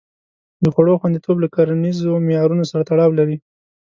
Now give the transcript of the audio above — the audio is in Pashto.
د خوړو خوندیتوب له کرنیزو معیارونو سره تړاو لري.